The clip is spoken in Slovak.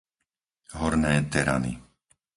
Horné Terany